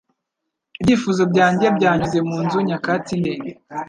Ibyifuzo byanjye byanyuze munzu nyakatsi ndende